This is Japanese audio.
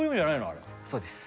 あれそうです